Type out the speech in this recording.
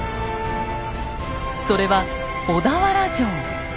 それは小田原城。